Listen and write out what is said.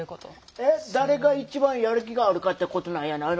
えっ誰が一番やる気があるかってことなんやないの？